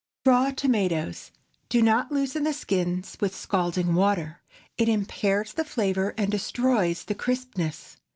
RAW TOMATOES. Do not loosen the skins with scalding water. It impairs the flavor and destroys the crispness.